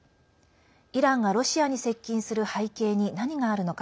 イランがロシアに接近する背景に何があるのか。